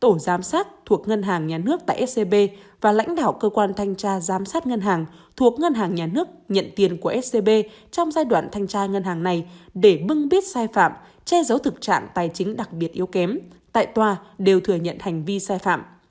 các tổ giám sát thuộc ngân hàng nhà nước tại scb và lãnh đạo cơ quan thanh tra giám sát ngân hàng thuộc ngân hàng nhà nước nhận tiền của scb trong giai đoạn thanh tra ngân hàng này để bưng biết sai phạm che giấu thực trạng tài chính đặc biệt yếu kém tại tòa đều thừa nhận hành vi sai phạm